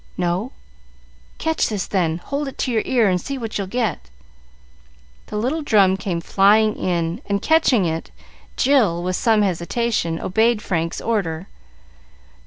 "No." "Catch this, then. Hold it to your ear and see what you'll get." The little drum came flying in, and, catching it, Jill, with some hesitation, obeyed Frank's order.